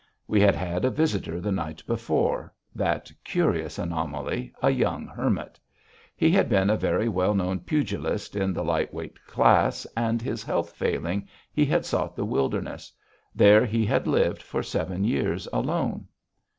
We had had a visitor the night before that curious anomaly, a young hermit. He had been a very well known pugilist in the light weight class and, his health failing, he had sought the wilderness. There he had lived for seven years alone.